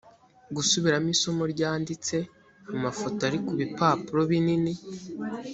gusubiramo isomo ryanditse amafoto ari ku bipapuro binini